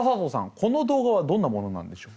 この動画はどんなものなんでしょう？